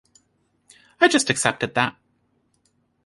I just accepted that.